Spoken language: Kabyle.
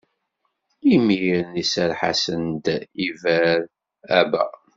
Imiren iserreḥ-asen-d i Bar Aba.